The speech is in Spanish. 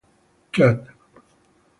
Chat